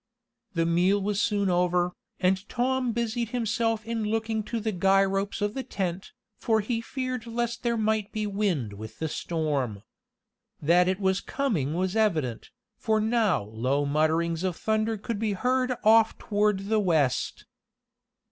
The meal was soon over, and Tom busied himself in looking to the guy ropes of the tent, for he feared lest there might be wind with the storm. That it was coming was evident, for now low mutterings of thunder could be heard off toward the west.